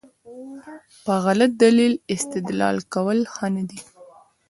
په غلط دلیل استدلال کول ښه نه دي.